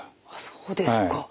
そうですか。